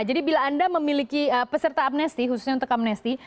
bila anda memiliki peserta amnesti khususnya untuk amnesti